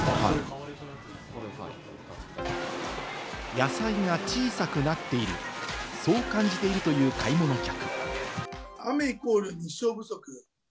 野菜が小さくなっている、そう感じているという買い物客。